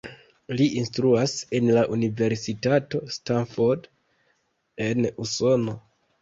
Li instruas en la Universitato Stanford en Usono.